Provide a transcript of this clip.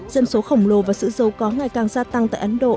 dân số khổng lồ và sự giàu có ngày càng gia tăng tại ấn độ